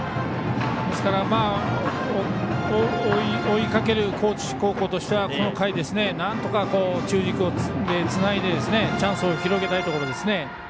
ですから追いかける高知高校としてはこの回、なんとか中軸でつないでチャンスを広げたいところですね。